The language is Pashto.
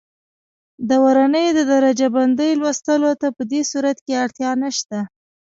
د ورنیې د درجه بندۍ لوستلو ته په دې صورت کې اړتیا نه شته.